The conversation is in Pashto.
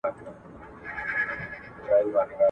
څوک به څرنګه ځان ژغوري له شامته !.